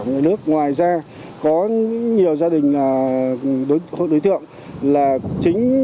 của người nước ngoài ra có nhiều gia đình đối tượng là chính